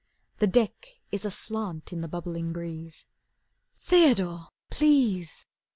The deck is aslant in the bubbling breeze. "Theodore, please.